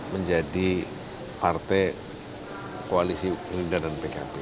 menjadi partai koalisi gerindra dan pkb